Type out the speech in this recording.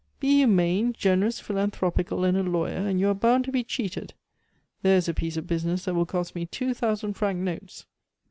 Be humane, generous, philanthropical, and a lawyer, and you are bound to be cheated! There is a piece of business that will cost me two thousand franc notes!"